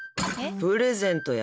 プレゼントや。